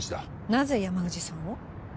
なぜ山藤さんを？